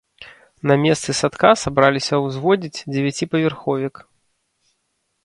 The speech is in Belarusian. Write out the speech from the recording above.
На месцы садка сабраліся ўзводзіць дзевяціпавярховік.